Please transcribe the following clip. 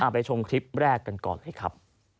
ไปชมคลิปแรกกันก่อนเลยครับ